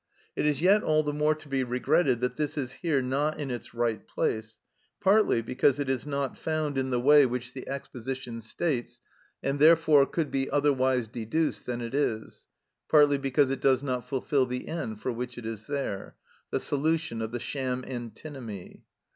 It is yet all the more to be regretted that this is here not in its right place, partly because it is not found in the way which the exposition states, and therefore could be otherwise deduced than it is, partly because it does not fulfil the end for which it is there—the solution of the sham antinomy.